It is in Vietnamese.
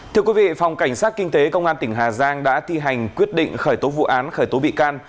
thưa quý vị phòng cảnh sát kinh tế công an tỉnh hà giang đã thi hành quyết định khởi tố vụ án khởi tố bị can